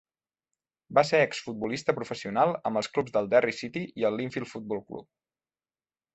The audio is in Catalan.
Va ser ex futbolista professional amb els clubs del Derry City i el Linfield Football Club.